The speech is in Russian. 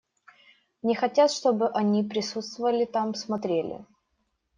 Не хотят, чтобы они присутствовали там, смотрели.